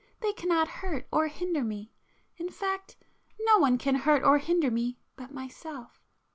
They cannot hurt or hinder me,—in fact, no one can hurt or hinder me but myself."